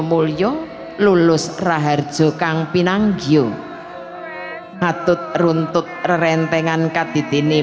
mulyo lulus raharjo kang pinanggio atut runtut rentengan katidini